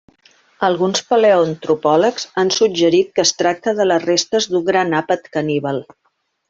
Alguns paleoantropòlegs han suggerit que es tracta de les restes d'un gran àpat caníbal.